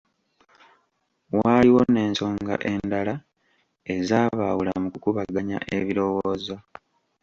Waaliwo n’ensonga endala ezaabaawula mu kukubaganya ebirowoozo.